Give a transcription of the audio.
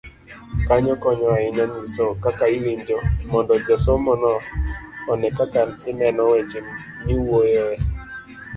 Kanyo konyo ahinya nyiso kaka iwinjo , mondo jasomono one kaka ineno weche miwuoyoe.